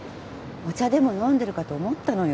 お茶でも飲んでるかと思ったのよ。